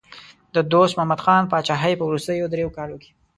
د دوست محمد خان پاچاهۍ په وروستیو دریو کالو کې.